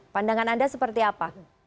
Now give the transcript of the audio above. pandangan anda seperti apa